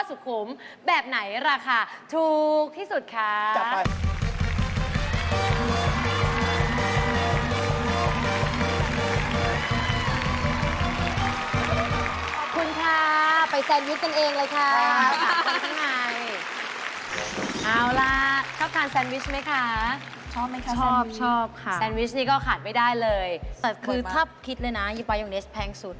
ชอบไหมคะแซนวิชแซนวิชนี่ก็ขาดไม่ได้เลยแต่คือถ้าคิดเลยนะบายองเนสแพงสุด